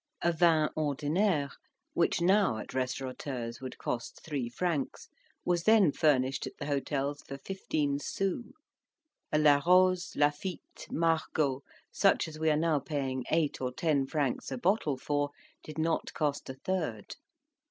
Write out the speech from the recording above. A vin ordinaire, which now at restaurateur's would cost three francs, was then furnished at the hotels for fifteen sous: a Larose, Lafitte, Margot, such as we are now paying eight or ten francs a bottle for, did not cost a third.